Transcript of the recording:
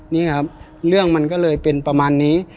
นี่ครับเรื่องมันก็เลยเป็นประมาณนี้